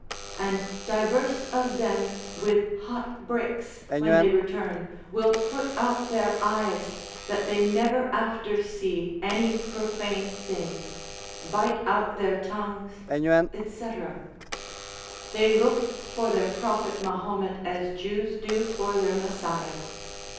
And diverse of them with hot bricks, when they return, will put out their eyes, that they never after see any profane thing, bite out their tongues, &c. They look for their prophet Mahomet as Jews do for their Messiah.